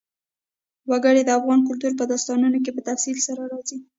وګړي د افغان کلتور په داستانونو کې په تفصیل سره راځي.